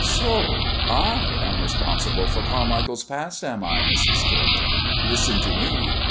"So I am responsible for Carmichael's past, am I, Mrs. Kit? Listen to me.